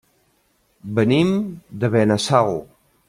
Venim de Benassal.